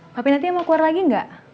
tapi nanti mau keluar lagi nggak